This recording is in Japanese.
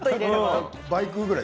バイクぐらい？